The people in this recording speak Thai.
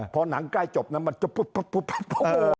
พอนังใกล้จบนั้นมันจบปุ๊บปุ๊บปุ๊บปุ๊บ